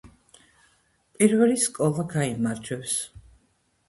პირველი სკოლა გაიმარჯვებს